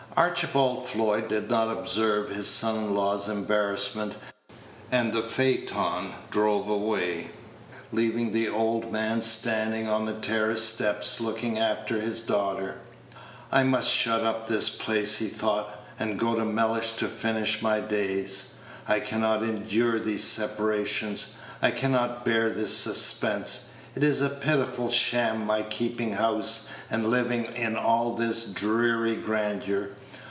Archibald Floyd did not observe his son in law's embarrassment; and the phaeton drove away, leaving the old man standing on the terrace steps looking after his daughter. "I must shut up this place," he thought, "and go to Mellish to finish my days. I can not endure these separations; I can not bear this suspense. It is a pitiful sham, my keeping house, and living in all this dreary grandeur.